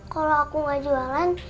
kalau aku gak jualan